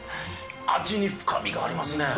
味に深みがありますね。